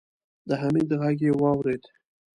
د حميد غږ يې واورېد.